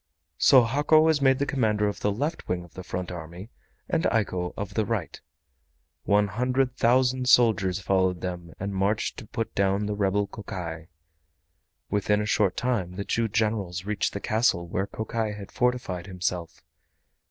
So Hako was made commander of the left wing of the front army, and Eiko of the right. One hundred thousand soldiers followed them and marched to put down the rebel Kokai. Within a short time the two Generals reached the castle where Kokai had fortified himself.